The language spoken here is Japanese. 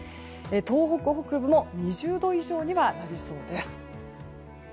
東北北部も２０度以上にはなりそうです。